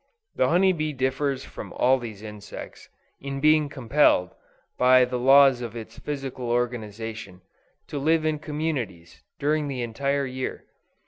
The honey bee differs from all these insects, in being compelled, by the laws of its physical organization, to live in communities, during the entire year.